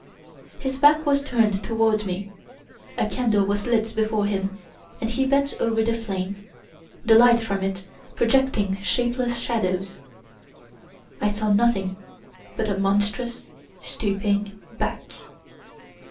His back was turned toward me. A candle was lit before him, and he bent over the flame, the light from it projecting shapeless shadows. I saw nothing but a monstrous, stooping back.